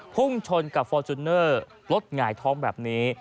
พุ่งชนกับฟอร์จูเนอร์รถหงายท้องแบบนี้